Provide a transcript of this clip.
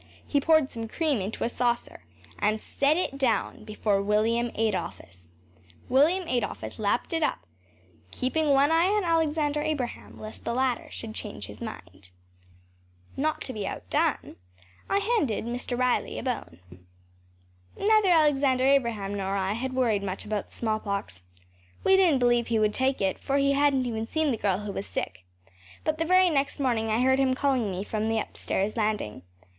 He poured some cream into a saucer and set it down before William Adolphus. William Adolphus lapped it up, keeping one eye on Alexander Abraham lest the latter should change his mind. Not to be outdone, I handed Mr. Riley a bone. Neither Alexander Abraham nor I had worried much about the smallpox. We didn’t believe he would take it, for he hadn’t even seen the girl who was sick. But the very next morning I heard him calling me from the upstairs landing.